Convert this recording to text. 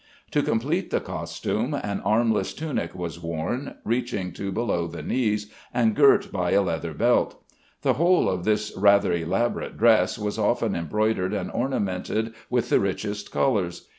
To complete the costume, an armless tunic was worn, reaching to below the knees and girt by a leather belt. The whole of this rather elaborate dress was often embroidered and ornamented with the richest colors.